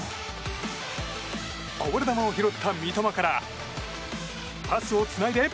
こぼれ球を拾った三笘からパスをつないで。